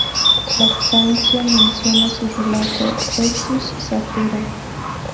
Lactancio menciona su relato "Festus Satura".